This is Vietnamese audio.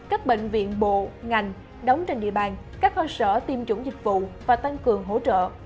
các bệnh viện bộ ngành đóng trên địa bàn các cơ sở tiêm chủng dịch vụ và tăng cường hỗ trợ